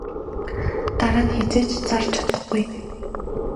Дараа нь хэзээ ч зарж чадахгүй.